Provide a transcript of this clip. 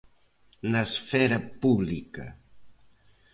Na esfera pública.